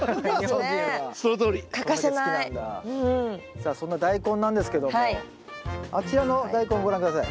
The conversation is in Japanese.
さあそんなダイコンなんですけどもあちらのダイコンご覧下さい。